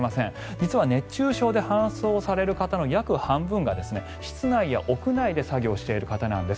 実は熱中症で搬送される方の約半分が室内や屋内で作業をしている方なんです。